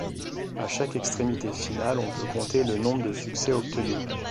À chaque extrémité finale, on peut compter le nombre de succès obtenus.